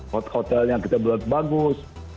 hotelnya kita buat bagus